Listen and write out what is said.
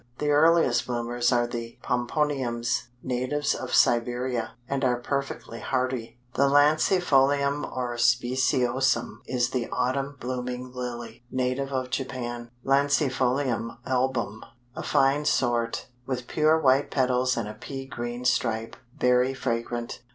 The earliest bloomers are the Pomponiums, natives of Siberia, and are perfectly hardy. The Lancifolium or Speciosum is the autumn blooming Lily, native of Japan. Lancifolium Album, a fine sort, with pure white petals and a pea green stripe, very fragrant.